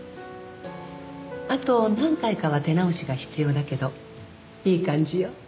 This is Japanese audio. あと何回かは手直しが必要だけどいい感じよ。